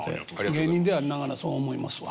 芸人でありながらそう思いますわ。